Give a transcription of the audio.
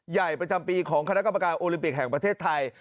ใหญ่ประจำปีของคณะกรรมการโอลิมปิกแห่งประเทศไทย